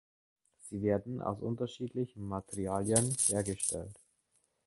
Sie werden aus unterschiedlichen Materialien hergestellt.